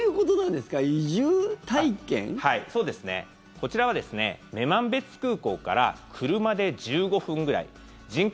こちらは女満別空港から車で１５分くらい人口